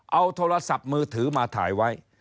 เอาโทรศัพท์มือถือมาถ่ายไว้